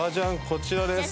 こちらです。